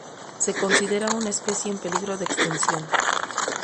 Se considera una especie en peligro de extinción.